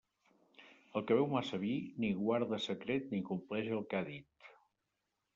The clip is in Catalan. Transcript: El que beu massa vi, ni guarda secret ni compleix el que ha dit.